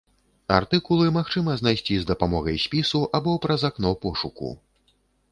Артыкулы магчыма знайсці з дапамогай спісу або праз акно пошуку.